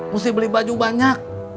mesti beli baju banyak